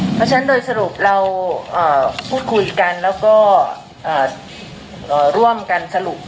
เพราะฉะนั้นโดยสรุปเราพูดคุยกันแล้วก็ร่วมกันสรุป